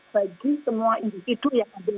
bagi semua individu yang ada